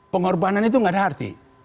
pengorbanan itu tidak ada arti